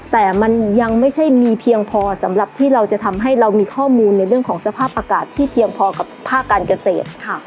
แต่มันยังไม่ใช่มีเพียงพอสำหรับที่เราจะทำให้เรามีข้อมูลในเรื่องของสภาพอากาศที่เพียงพอกับภาคการเกษตร